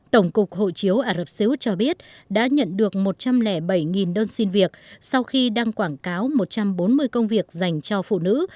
tổng cục hộ chiếu ả rập xê út cho biết đã nhận được một trăm linh bảy đơn xin việc sau khi đăng quảng cáo một trăm bốn mươi công việc dành cho phụ nữ